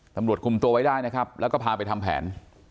ตำรวจคุมตัวไว้ได้นะครับแล้วก็พาไปทำแผน